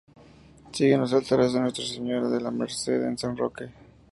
Siguen los altares de Nuestra Señora de la Merced y San Roque.